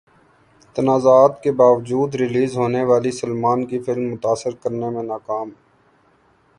تنازعات کے باوجود ریلیز ہونے والی سلمان کی فلم متاثر کرنے میں ناکام